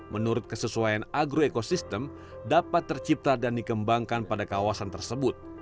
menurut kesesuaian agro ekosistem dapat tercipta dan dikembangkan pada kawasan tersebut